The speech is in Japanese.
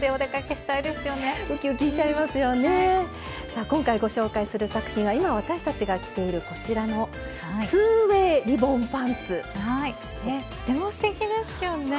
さあ今回ご紹介する作品は今私たちが着ているこちらのとってもすてきですよね。